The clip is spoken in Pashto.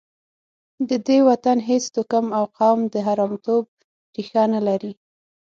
د دې وطن هېڅ توکم او قوم د حرامیتوب ریښه نه لري.